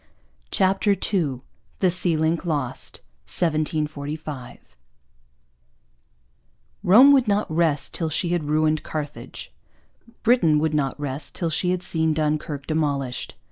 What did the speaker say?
CHAPTER II THE SEA LINK LOST 1745 Rome would not rest till she had ruined Carthage. Britain would not rest till she had seen Dunkirk demolished.